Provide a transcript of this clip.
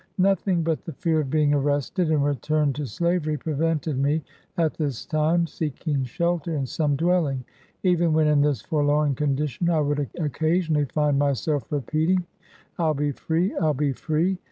Nothing but the fear of being arrested and returned to slavery prevented me. at this time, seeking shelter in some dwelling. Even when in this forlorn condition, I would occasionally find my self repeating —' I 'U be free ! I '11 be free